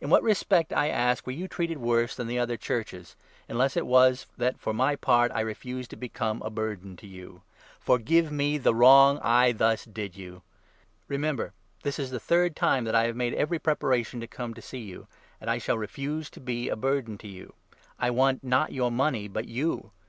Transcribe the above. In what respect, I ask, were you treated worse than the 13 other Churches, unless it was that, for my part, I refused to become a burden to you ? Forgive me the wrong I thus did you ! Remember, this is the third time that I have 14 I0 ' made every preparation to come to see you, and I shall refuse to be a burden to you ; I want, not your money, but you.